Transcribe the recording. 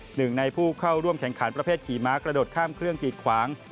หนึ่งในผู้เข้าร่วมแข่งขันประเภทขี่ม้ากระโดดข้ามเครื่องกิดขวาง